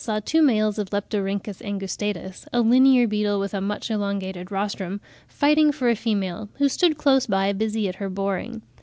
saw two males of Leptorhynchus angustatus, a linear beetle with a much elongated rostrum, "fighting for a female, who stood close by busy at her boring.